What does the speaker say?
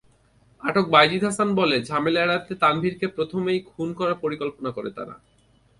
আটক বাইজিদ হাসান বলে, ঝামেলা এড়াতে তানভিরকে প্রথমেই খুন করার পরিকল্পনা করে তারা।